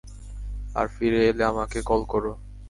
আর, ফিরে এলে আমাকে কল কোরো।